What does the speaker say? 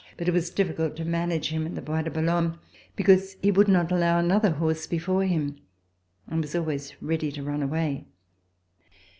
But it was difficult to manage him in the Bois de Boulogne, because he would not allow another horse before him and was always ready to run away.